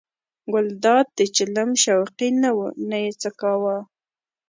ګلداد د چلم شوقي نه و نه یې څکاوه.